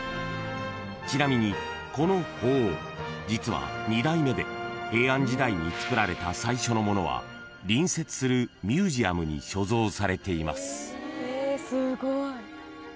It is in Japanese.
［ちなみにこの鳳凰実は２代目で平安時代につくられた最初のものは隣接するミュージアムに所蔵されています］